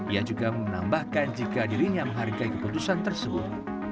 ia juga menambahkan jika dirinya menghargai keputusan tersebut